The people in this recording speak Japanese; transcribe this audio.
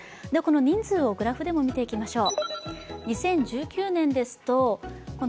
人数をグラフでも見ていきましょう。